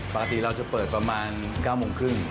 ปกติเราจะเปิดประมาณ๙โมงครึ่ง